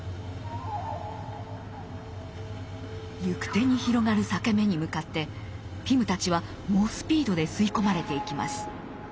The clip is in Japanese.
行く手に広がる裂け目に向かってピムたちは猛スピードで吸い込まれていきます。